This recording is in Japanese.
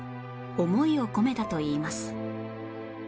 思いを込めたといいます